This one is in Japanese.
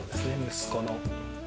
息子の。